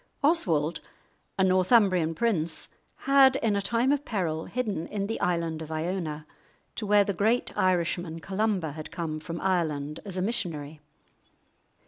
Oswald, a Northumbrian prince, had in a time of peril hidden in the island of Iona, to where the great Irishman Columba had come from Ireland as a missionary.